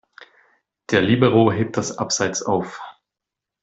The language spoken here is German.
Der Libero hebt das Abseits auf.